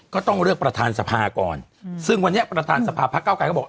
ก็ต้องเลือกประธานสภาก่อนซึ่งวันนี้ประธานสภาพเก้าไกรก็บอก